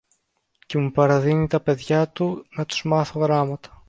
και μου παραδίνει τα παιδιά του να τους μάθω γράμματα.